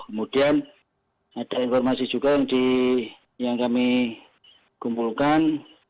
kemudian ada informasi juga yang kami kumpulkan